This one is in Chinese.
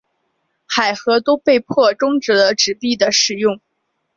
海合都被迫中止了纸币的使用。